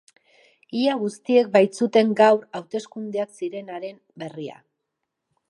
Ia guztiek baitzuten gaur hauteskundeak zirenaren berria.